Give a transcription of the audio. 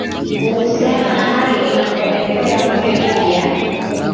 kuhusiana na hali inavyoendelea kule libya